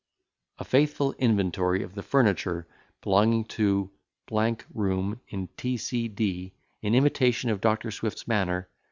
A FAITHFUL INVENTORY OF THE FURNITURE BELONGING TO ROOM IN T. C. D. IN IMITATION OF DR. SWIFT'S MANNER.